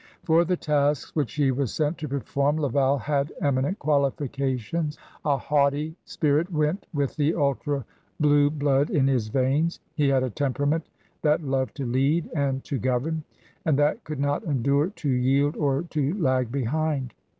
For the tasks which he was sent to perform, Laval had eminent qualifications. A haughty 126 CRUSADERS OP NEW FRANCE spirit went with the ultra blue blood in his veins; he had a temperament that loved to lead and to govern, and that could not endure to yield or to lag behind.